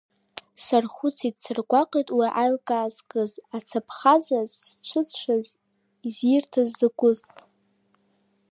Сархәыцит, саргәаҟит уи аилкаа зызкыз, Ацаԥха-заҵә зцәыӡшаз изирҭаз закәыз!